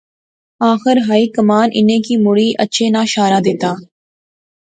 آخر ہائی کمان انیں کی مڑی اچھے ناں شارہ دتا